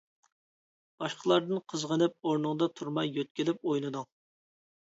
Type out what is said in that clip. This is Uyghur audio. باشقىلاردىن قىزغىنىپ ئورنۇڭدا تۇرماي يۆتكىلىپ ئوينىدىڭ.